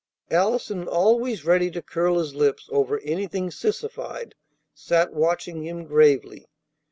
Allison, always ready to curl his lips over anything sissified, sat watching him gravely.